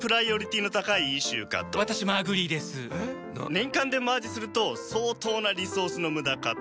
年間でマージすると相当なリソースの無駄かと。